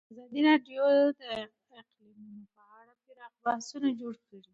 ازادي راډیو د اقلیتونه په اړه پراخ بحثونه جوړ کړي.